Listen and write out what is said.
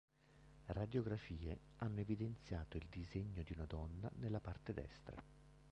Radiografie hanno evidenziato il disegno di una donna nella parte destra.